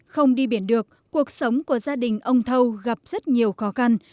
không đi biển được cuộc sống của gia đình ông thâu gặp rất nhiều khó khăn